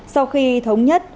sau khi thống nhất